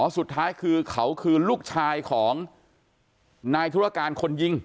สุดท้ายคือเขาคือลูกชายของนายธุรการคนยิง